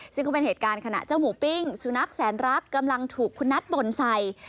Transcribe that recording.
ซึ่งก็เป็นเหตุการณ์ขณะเจ้าหมูปิ้งสุนัขแสนรักกำลังถูกคุณนัทบ่นใส่